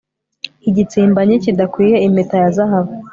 igitsimbanyi kidakwiye impeta y'azahabu